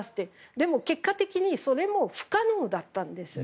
でも結果的にそれも不可能だったんです。